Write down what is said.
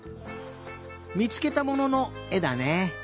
みつけたもののえだね。